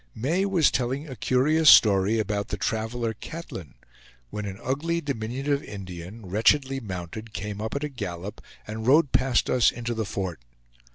May was telling a curious story about the traveler Catlin, when an ugly, diminutive Indian, wretchedly mounted, came up at a gallop, and rode past us into the fort.